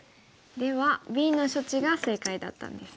ではＢの処置が正解だったんですね。